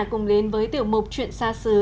cùng đến với tiểu mục chuyện xa xứ